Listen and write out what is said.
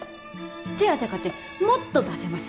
手当かてもっと出せます。